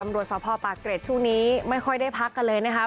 ตำรวจสภปากเกร็ดช่วงนี้ไม่ค่อยได้พักกันเลยนะครับ